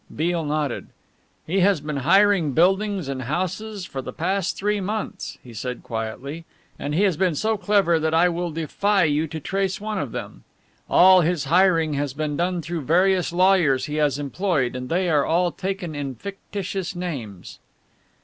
Beale nodded. "He has been hiring buildings and houses for the past three months," he said quietly, "and he has been so clever that I will defy you to trace one of them. All his hiring has been done through various lawyers he has employed, and they are all taken in fictitious names."